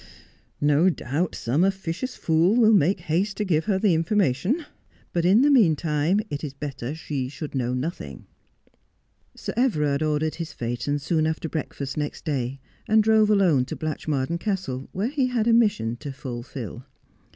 ' No doubt some officious fool will make haste to give her the information. But, in the meantime, it is better she should know nothing.' Sir Everard ordered his phaeton soon after breakfast next day, and drove alone to Blatchmardean Castle, where he had a mission to fulfil.